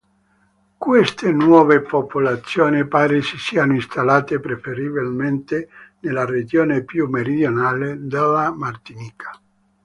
Queste nuove popolazioni pare si siano installate preferibilmente nella regione più meridionale della Martinica.